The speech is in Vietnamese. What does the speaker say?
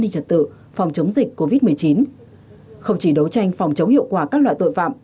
covid một mươi chín không chỉ đấu tranh phòng chống hiệu quả các loại tội phạm